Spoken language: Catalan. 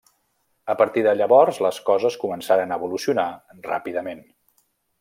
A partir de llavors les coses començaren a evolucionar ràpidament.